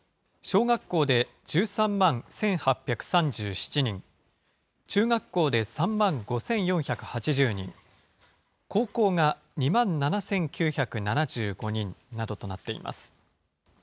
小学校で１３万１８３７人、中学校で３万５４８０人、高校が２万７９７５人などとなっています。